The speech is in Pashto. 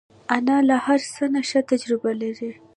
انا له هر څه نه ښه تجربه لري